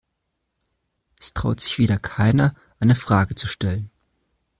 Es traut sich wieder keiner, eine Frage zu stellen.